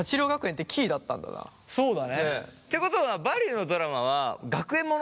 そうだね。ってことは「バリュー」のドラマは学園物ってこと？